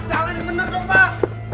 jalani bener dong pak